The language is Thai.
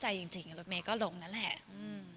แหวนเท่าไหร่คะอาจารย์ตาม